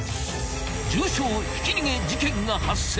［重傷ひき逃げ事件が発生］